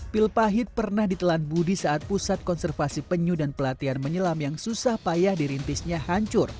pil pahit pernah ditelan budi saat pusat konservasi penyu dan pelatihan menyelam yang susah payah dirintisnya hancur